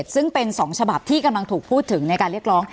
ซึ่งเป็น๒ฉบับที่กำลังถูกพูดถึงในการเรียกร้อง